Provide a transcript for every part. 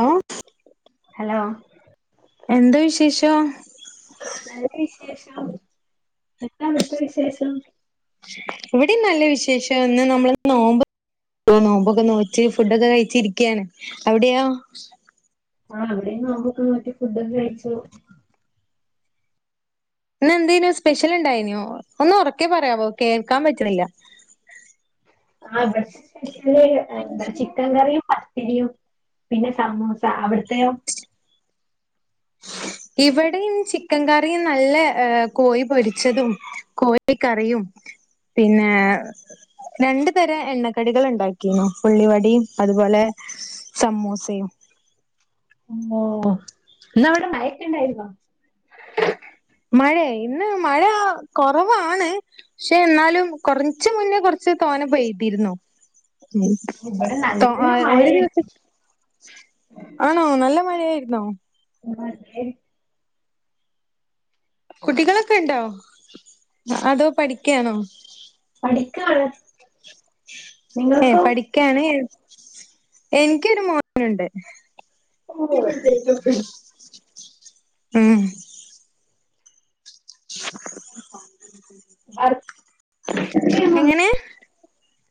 ആ ഹലോ. എന്താ വിശേഷം. എന്നന്താവിടുത്തെ വിശേഷം. ഇവിടെ നല്ല വിശേഷംന്ന് നമ്മള് നോമ്പ്. നോമ്പൊക്കെ നോറ്റ് ഫുഡൊക്കെ കഴിച്ചിരിക്കയാണ് അവിടെയോ, ആ അവിടെ നോക്കൊക്കെ മറ്റേ ഫുഡ കഴിച്ചു. ഇന്ന എന്തനോ സ്പെഷ്യൽ ഇണ്ടായിനോ ഒന്ന് ഉറക്കെ പറയാവോ കേൾക്കാൻ പറ്റുണില്ല ആ എന്ത ചിക്കൻ കറിയും പത്തിരിയും പിന്നെ സമൂ സ അവിടത്തയോ. ഇവിടെയും ചിക്കൻ കറിയും നല്ല കോയി പൊരിച്ചതും കോയിക്കറിയും. പിന്നെ. രണ്ടു തരം എണ്ണക്കടികൾ ഉണ്ടാക്കിരുന്നു ഉള്ളിവടയും അതുപോലെ സമൂസയും. [inaudible] ഓഇന്നവിടെ മഴക്കൊണ്ടായിരുന്നോ. മഴയൊ ഇന്ന് മഴ കുറവാണ് പക്ഷെ എന്നാലും കുറച്ച് മുന്നേ കുറച്ച് തോനെ പെയ്തിരുന്നു ഉം ഇവിടെ നല്ല ഒരു ദിവസം ആണോ നല്ല മഴ ആയിരുന്നോ അതെ കുട്ടികളൊക്കെ ഇണ്ടോ അതോ പഠിക്കയാണോ പടിക്കാണ് ഏ പഠിക്കാണ് എനിക്കൊരു മോനുണ്ട് ഓഹ് ഉം വർക്ക് ചെയ്യുന്നൊ എങ്ങനെ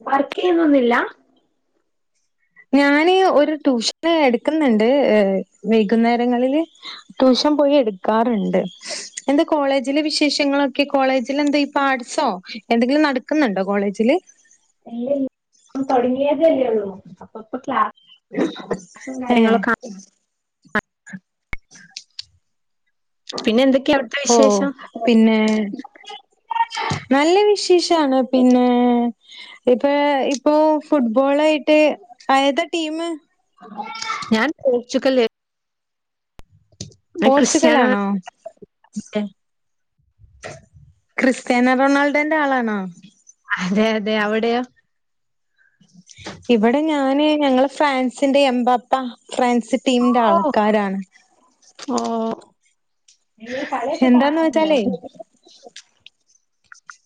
വർക്ക് ചെയ്യുന്നൊന്നുവില്ല ഞാന് ഒരു ട്യൂഷന് എടുക്കുന്നുണ്ട് വൈകുന്നേരങ്ങളില് ട്യൂ ഷൻ പോയി എടുക്കാറുണ്ട് എന്താ കോളേജിലെ വിശേഷങ്ങളൊ കോളേജിൽ എന്താ ഇപ്പൊ ആഡ്സോ എന്തെങ്കിലും നടക്കുന്നുണ്ടോ കോളേജില് ഇല്ല ഇല്ല തുടങ്ങിയ ല്ലേയുള്ളൂ അപ്പൊ ക്ലാസും ഏ കാര്യങ്ങളൊക്കെ പിന്നെ എന്തൊക്കെയാ അവിടുത്തെ ഓ വിശേഷം പിന്നെ നല്ല വിശേ ഷാണ് പിന്നേ ഇപ്പൊ ഇപ്പോ ഫുട്ബോൾ ആയിട്ട് ആ ഏതാ ടീമ് ഞാൻ പോർച്ചുഗൽ പോർച്ചുഗലാണോ അതെ ക്രിസ്ത്യാന റൊണാൾഡോന്റെ ആളാണോ അതെ അതെ അവിടെയോ ഇവിടെ ഞാന് ഞങ്ങള് ഫ്രാൻസിന്റെ എമ്പാപ്പ ഫ്രൻസ് ടീമിന്റെ ഓ ആൾക്കാരാണ്. നിങ്ങൾ കളിയൊക്കെ എന്താന്ന് കാണാറു വെച്ചാലേ ണ്ടോ?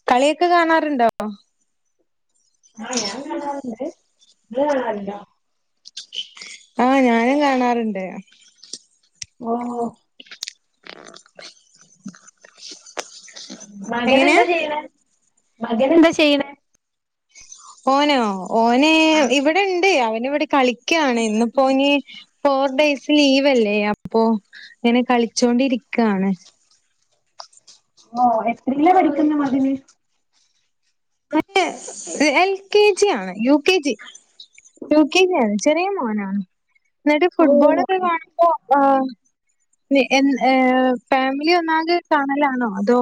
കളിയൊക്കെ കാണാറുണ്ടോ? ആഹ് ഞാൻ കാണാറ്ണ്ട്. ഇങ്ങൾ കാണാറുണ്ടോ? ആഹ് ഞാനും കാണാറ്ണ്ട്. ഓഹ് മകൻ എങ്ങനെയാ എന്താ ചെയ്യ്ണെ? മകൻ എന്താ ചെയ്യ്ണെ? ഓനോ ഓന് ഇവിടെണ്ട് അവന് ഇവടെ കളി ക്യാണ് ഇന്ന്പ്പോന് ഫോർ ടെയ് സ് ലീവല്ലേ അപ്പൊ ഇങ്ങനെ കളിച്ചോണ്ടിരിക്കാണ്. ഓഹ് എത്രീലാ പഠിക്കുന്ന മകന്? മറ്റ് എൽ കെ ജി ആണ് U K G U K G ആണ് ചെറിയ മോനാണ് ഇന്നട്ട് ഓ ഫുട്ബോളൊക്കെ കാണുമ്പോ ഏഹ് ന്ന് എൻ ഏഹ് ഫാമിലി ഒന്നാകെ കാണലാണോ അതോ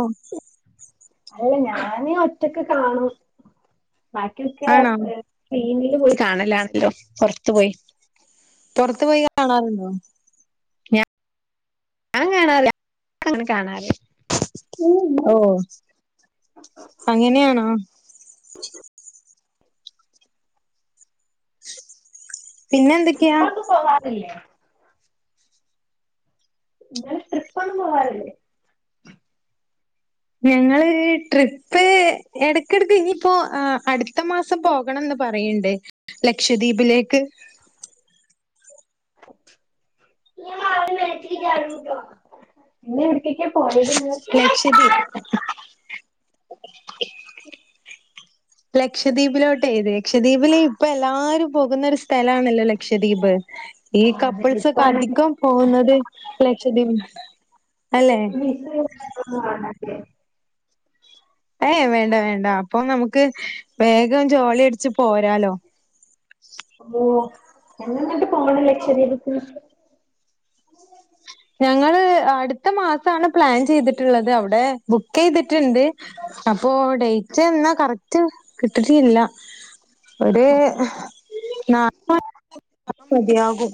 അല്ല ഞാന് ഒറ്റക്ക് കാണും. ബാക്കിയൊക്കെ ആണോ ഏഹ് [unintelligible] [unintelligible] പോയി കാണലാണല്ലോ പൊർത്ത് പോയി. പൊർത്തു പോയി കാണാറുണ്ടോ? ഞാൻ കാണാറില്ല [unintelligible] അങ്ങനെ കാണാതെ ഓഹ് അങ്ങനെയാണോ? പിന്നെ എന്തൊക്കെയാ? ട്രിപ്പൊന്നും പോവാറില്ലേ ഇങ്ങള് ട്രിപ്പൊന്നും പോവാറില്ലേ? ഞങ്ങള് ട്രിപ്പ് എടക്കെട്ക്ക് ഇനീപ്പോ ഏഹ് അടുത്ത മാസം പോകണംന്ന് പറയ്ണ്ട് ലക്ഷദ്വീപിലേക്ക്. ഞാൻ മാറി മേലത്തേക്ക് ചാടും കേട്ടോ പിന്നെ എവിടേക്കൊക്കെ പോയത് നിങ്ങൾ ഞാൻ ലക്ഷദ്വീ ചാടും. ലക്ഷദ്വീപിലോട്ട് ഇത് ലക്ഷദ്വീപില് ഇപ്പൊ എല്ലാരും പോകുന്നൊരു സ്ഥലാണല്ലോ ലക്ഷദ്വീപ് ഈ അതെ കപ്പിൾസൊക്കെ ഇപ്പാണെങ്കിൽ അധികം പോകുന്നത് ലക്ഷദ്വീ വിസയും ഒന്നും വേണ്ട? ഏയ് വേണ്ട വേണ്ട അപ്പൊ നമുക്ക് വേഗം ജോളി അടിച്ച് പോരാലോ എന്നാന്നിട്ട് പോണെ ലക്ഷദ്വീപ്ക്ക്? ഞങ്ങള് അടുത്ത മാസാണ് പ്ലാൻ ചെയ്തിട്ടുള്ളത് അവിടെ ബുക്കെയ്തിട്ട്ണ്ട് അപ്പോ ഡേറ്റ് എന്നാ കറക്റ്റ് കിട്ടിട്ടില്ല. ഒരേ [inaudible] മതിയാകും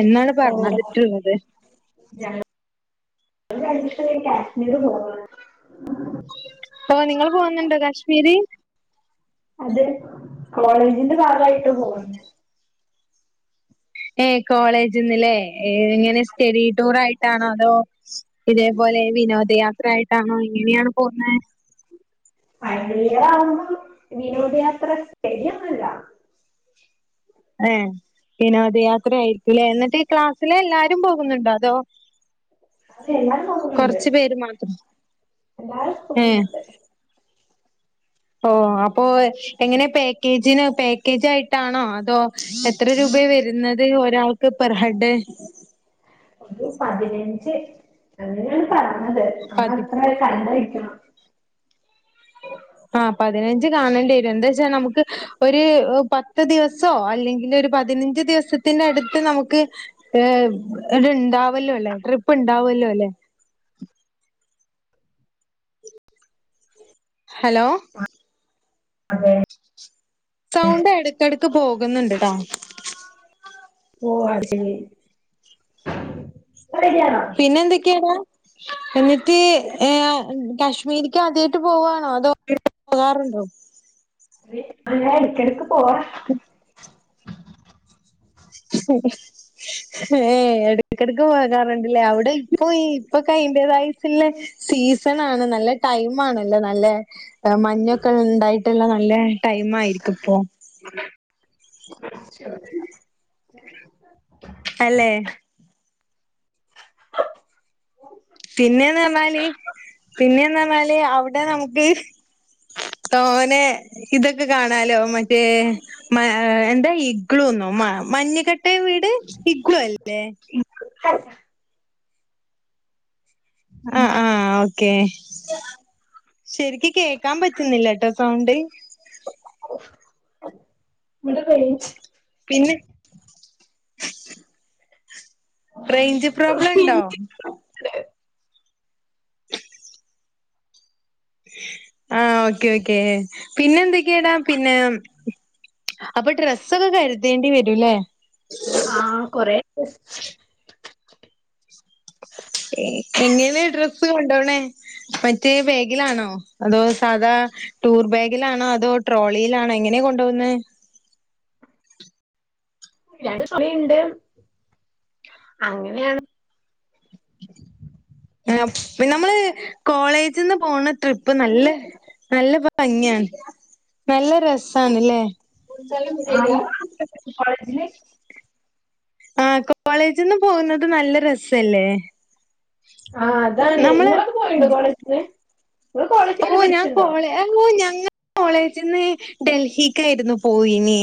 എന്നാണ് പറഞ്ഞതിട്ടുള്ളത്. ഞങ്ങ [inaudible] കഴിഞ്ഞിട്ട് വേണം കാശ്മീര് പോവാൻ. ഓഹ് നിങ്ങള് പോകുന്നുണ്ടോ കാശ്മീര്? അതേ കോളേജിന്റെ ഭാഗയിട്ട് പോവ ഏഹ് കോളേജ്ന്ന്ലെ എ എങ്ങനെ സ്റ്റെഡി ടൂർ ആയിട്ടാണോ അതോ ഇതേപോ ലെ വിനോദയാത്ര ആയിട്ടാണോ എങ്ങനെയാണ് പോവുന്നെ? ഫൈനലിയറാവുമ്പോ വിനോദയാത്ര, സ്റ്റഡിയൊന്നും അല്ല. എഹ് വിനോദ യാത്ര ആയി ല്ലേ എന്നിട്ട് ഈ ക്ലാസ്സിലെ എല്ലാരും പോകുന്നുണ്ടോ അതോ അത് എല്ലാരും പോകുന്നുണ്ട് കൊറച്ച് പേര് മാത്രം? എല്ലാരും ഏഹ് പോകുന്നുണ്ട് ഓഹ് അപ്പോ എങ്ങനെ പാക്കേജിന് പാക്കേജ് ആയിട്ടാണോ അതോ എത്ര രൂ പയാ വരുന്നത് ഒരാൾക്ക് പെർ ഹെഡ് ഒരു പതിനഞ്ച് അങ്ങനെയാണ് പറഞ്ഞത്. പതി നമ്മളത്ര കണ്ട വെ [unintelligible] ആഹ് പതിനഞ്ച് കാണേണ്ടി വരും എന്താച്ചാ നമുക്ക് ഒരു പത്ത് ദിവസോ അല്ലെങ്കിലൊരു പതിന ഞ്ച് ദിവസത്തിന്റെ അടുത്ത് നമുക്ക് ഏഹ് ടെണ്ടാവല്ലോ അല്ലേ ട്രിപ്പ് ഇണ്ടാവുവല്ലോ അല്ലെ ഹലോ അതേ സൗണ്ട് എടക്കടക്ക് പോകുന്നിണ്ടട്ടോ. ഓഹ് [unintelligible] പിന്നെ എന്തൊക്കെയാടാ എന്നിട്ട് ഏഹ് അഹ് കാശ്മീരി ക്കാദ്യായിട്ട് പോവുവാണോ അതോ [unintelligible] പോകാറുണ്ടോ? [unintelligible] ഇടക്കിടക്ക് പോവാ ഹേ എടക്കെടക്ക് പോകാറിണ്ടില്ലേ അവിടെ പോയി ഇപ്പക്കെ അയിന്റെ തായിട്ടുള്ള സീസൺ ആണ് നല്ല ടൈം ആണല്ലോ നല്ല മഞ്ഞോക്കെ ഇ ണ്ടായിട്ടുള്ള നല്ല ടൈ മായിരിക്ക്‌ പ്പോ [inaudible] അല്ലേ പിന്നെന്ന് പർഞ്ഞാല് പിന്നെന്ന് ർ ഞ്ഞാല് അവിടെ നമുക്ക് തോനെ ഇതൊക്കെ കാണാലോ മറ്റേ എന്താ ഇഗ്ളു ന്നോ മഞ്ഞിക്കട്ടയും വീട് ഇഗ്ളുല്ലേ [inaudible] ആ ആ ഓക്കെ ശരിക്ക്‌ കേ ക്കാൻ പറ്റുന്നില്ല ട്ടോ സൗണ്ട് ഇവിടെ റേഞ്ച് പിന്നെ റേഞ്ച് പ്രോബ്ലം ഇണ്ടോ ആ ഓക്കെ ഓക്കേ പിന്നെ എന്തൊക്കെയടാ പിന്നെ അപ്പൊ ഡ്രസ്സൊക്കെ കരുതേണ്ടി വരൂല്ലേ ആ [inaudible] എങ്ങനെ ഡ്രസ്സ് കൊണ്ടോണേ മറ്റേ ബേഗിലാണോ അതോ സാധാ ടൂർ ബാഗിലാണോ അതോ ട്രോളിയിലാണോ എങ്ങനെയാ കൊണ്ട്പോകുന്നേ രണ്ട് തുണിണ്ട് അങ്ങനെയാണ്. ആ പിന് നമ്മള് കോളേജ് ജ്ന്ന് പോണ ട്രിപ്പ് നല്ല നല്ല ഭംഗിയാണ്. നല്ല രസാണ് ല്ലേ കോളേജില് ആ കോളേജ് ന്ന് പോകുന്നത് നല്ല രസല്ലേ ആ അതാണ് ഇ നമ്മള് ങ്ങളൊക്കെ പോയിണ്ടോ കോളേജിന്ന് ഓ ഞാൻ കോളേ [unintelligible] കോളേജിൽന്ന് ഡൽഹികായിരുന്നു പോയിനീ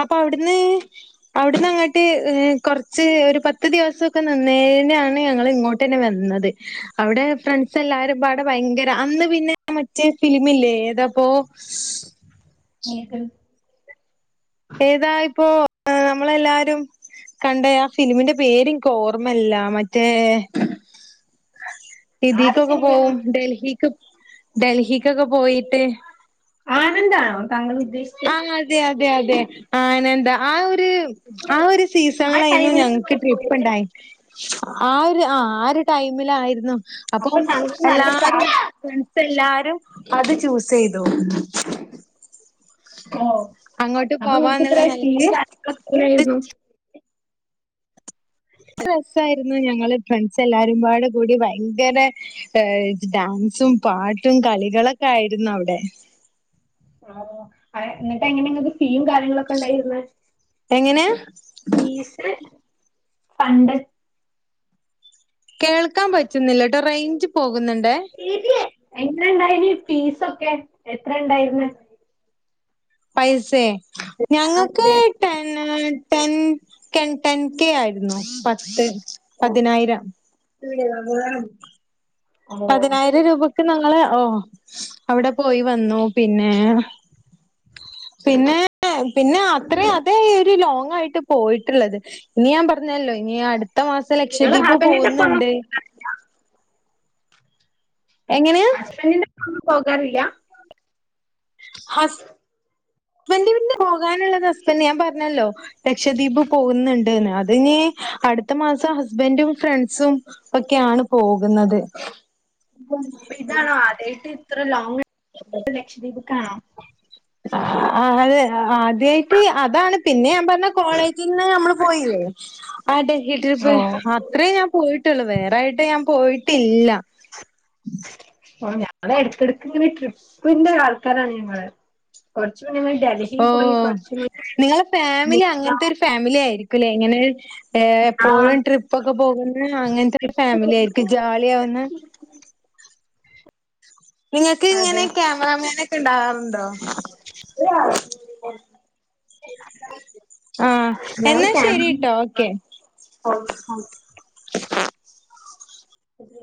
അപ്പ അവിടുന്ന് ഇവിടന്ന് അങ്ങട്ട് കൊർച്ച് ഒരു പത്ത് ദിവസമൊക്കെ നിന്നേനെണ് ഞങ്ങള് ഇങ്ങോട്ട്ന്നെ വന്നത്. അവിടെ ഫ്രണ്ട്സ് എല്ലാരും പാടെ ഭയങ്കര അന്ന് പിന്നെ മറ്റേ ഫിലിംമില്ലേ എതാ പ്പോ ഏത് ആ നമ്മളെല്ലാരും കണ്ട ആ ഫിലിംമിന്റെ പേര് ൻക്ക് ഓർമല്ല മറ്റേ ആരുടെ ഇദിക്കൊക്കെ സിനിമയാണ് പോവും ഡൽഹിക്ക് ഡൽഹിക്കൊക്കെ പോയിട്ട് ആനന്ദം ആണോ ആ അതെ അതെ അതെ ആനന്ദം ആ ഒരു ആ ഒരു ആ സീസണിലായിരുന്ന് ടൈമിൽ ഞങ്ങക്ക് ട്രിപ്പ് ഉണ്ടായി ആ ഒരു ആ ആ ഒരു ടൈമിലായിരുന്നു. അപ്പൊ അപ്പം താങ്കൾക്ക് നല്ല എല്ലാരും പ്രായം എല്ലാരും അത് ചൂസ് ചെയ്തു. ഓ അങ്ങോട്ട് അപ്പൊ പോവാന്നുള്ള നിനക്ക്ത്ര നിലക്ക് [unintelligible] രസായിരുന്നു ഞങ്ങള് ഫ്രണ്ട്സ് എല്ലാരുംപാടെ കൂടി ഭയങ്കര ഡാ ൻസും പാട്ടും കളികളൊക്കെ ആയിരുന്നു അവിടെ ആ എന്നിട്ട് എങ്ങനെങ്ങ ഫീയും കാര്യങ്ങളൊക്കെ ഉണ്ടായിരുന്നെ എങ്ങനെ ഫീസ് പണ്ട് കേൾക്കാൻ പറ്റുന്നില്ല ട്ടോ റേഞ്ച് പോ ശരിയ എങ്ങന ഇണ്ടായിരുന്നു ഫീസൊക്കെ എത്ര ണ്ടായിർന്ന്? പൈസേ ഞങ്ങൾക്ക് ടെന് ടെൻ ടെൻ കെ ആയിരുന്നു പത്ത് ഓ പതിനായിരം ഓ. പതിനായിരം രൂപക്ക് ങ്ങള് ഓ അവിടെ പോയി വന്നു പിന്നെ പിന്നെ പിന്നെ അത്രയും അതേ ഒരു ലോങ് ആയിട്ട് പോയിട്ടുള്ളത് ഇനി ഞാൻ പറഞ്ഞല്ലോ ഇനി അടു ത്ത മാസം നിങ്ങള് ലക്ഷദ്വീപ് ഹസ്ബൻഡിന്റെ ഒപ്പം ഒന്നും പോകുന്നുണ്ട്. എങ്ങനെയാ? ഹസ്ബൻഡിന്റെ പോകാറില്ല? ഹസ് [unintelligible] പോകാനുള്ളത് ഹസ്ബന്റ് ഞാൻ പറഞ്ഞല്ലോ ലക്ഷദ്വീപ് പോകുന്നുണ്ട്ന്ന് അതിനി അടുത്ത മാസം ഹസ്ബന്റും ഫ്രണ്ട്സും ഒക്കെയാണ് പോകുന്നത്. അപ്പൊ ഇതാണോദ്യയിട്ട് ഇത്ര ലോങ് ലക്ഷദ്വീപ്ക്കാണോ? ആ അതെ അധ്യയ്ട്ട് അതാണ് പിന്നെ ഞാൻ പർഞ്ഞ കോളേജിൽന്ന് നമ്മള് പോയില്ലേ ആ ഡൽഹി ഓ ട്രിപ്പ് അത്ര ഞാൻ പോയിട്ടുള്ളു വേറായിട്ട് ഞാൻ പോയിട്ടില്ല. അങ്ങനെ എടക്കിടക്ക് ഇങ്ങനെ ട്രിപ്പിന്റെ ആൾക്കാരാണ് ഞങ്ങള് കുറച്ച് ഓ നിങ്ങളെ ഫാമിലി മൂന്നാർ. അങ്ങനത്തെ ഒരു ഫാമിലി ആയിരിക്കൂല്ലേ ഇങ്ങനെ ഏ ആ എപ്പോഴും ട്രിപ്പൊക്കെ പോകുന്ന അങ്ങനത്തെ ട്രിപ്പ് ഫാമിലി പോയി ആയിരിക്കും ജോളി ആവുന്ന നിങ്ങക്ക് ഇങ്ങനെ അതെ ക്യാമറമാനൊക്കെ ഉണ്ടാവാറുണ്ടോ? ആഹ് ഞങ്ങള് എന്നാ ഫാമിലി ശരിട്ടോ ഓക്കെ ഓ ഇത്